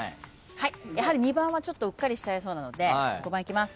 やはり２番はちょっとうっかりしちゃいそうなので５番いきます。